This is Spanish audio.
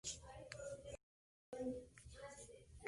Está compuesto por roca arenisca.